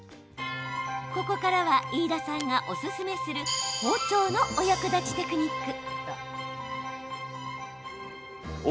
ここからは飯田さんがおすすめする包丁のお役立ちテクニック。